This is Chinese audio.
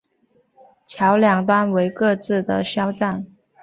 桥两端为各自的哨站。